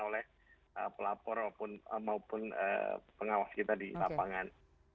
oleh pelapor maupun pengawas kita di lapangan